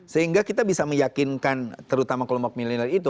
sehingga kita bisa meyakinkan terutama kelompok milenial itu